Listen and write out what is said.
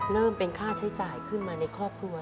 เริ่มเป็นค่าใช้จ่ายขึ้นมาในครอบครัว